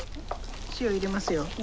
塩入れますよ。